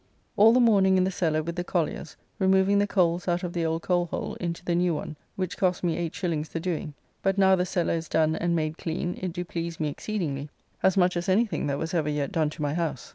All the morning in the cellar with the colliers, removing the coles out of the old cole hole into the new one, which cost me 8s. the doing; but now the cellar is done and made clean, it do please me exceedingly, as much as any thing that was ever yet done to my house.